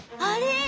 あれ？